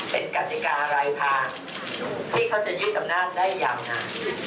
เป็นกฎิกาอะไรค่ะที่เขาจะยืดตำหน้าได้อย่างนั้น